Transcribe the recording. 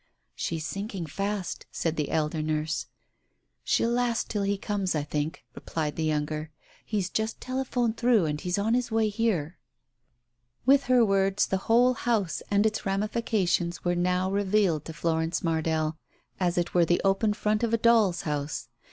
"She's sinking fast," said the elder nurse. "She'll last till he comes, I think," replied the younger. "He's just telephoned through that he's on his way here I " With her words the whole house and its ramifications were now revealed to Florence Mardell — as it were the open front of a doll's house.